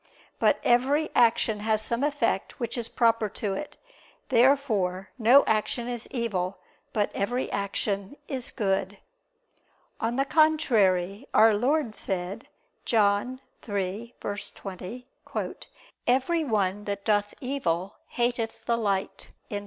But every action has some effect which is proper to it. Therefore no action is evil, but every action is good. On the contrary, Our Lord said (John 3:20): "Every one that doth evil, hateth the light."